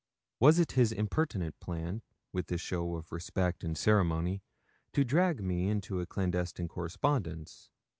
Was it his impertinent plan, with this show of respect and ceremony, to drag me into a clandestine correspondence?